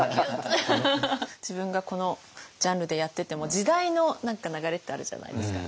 自分がこのジャンルでやってても時代の流れってあるじゃないですか。